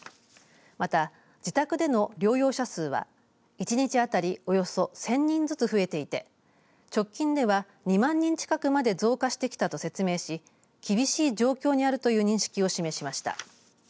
また自宅での療養者数は一日当たりおよそ１０００人ずつ増えていて直近では２万人近くまで増加してきたと説明し厳しい状況にあるという認識を示しました。